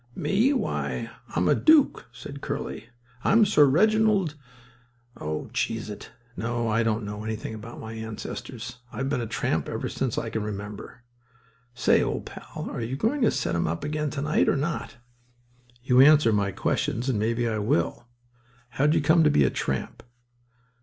"Me? Why, I'm a dook," said Curly. "I'm Sir Reginald—oh, cheese it. No; I don't know anything about my ancestors. I've been a tramp ever since I can remember. Say, old pal, are you going to set 'em up again to night or not?" "You answer my questions and maybe I will. How did you come to be a tramp?"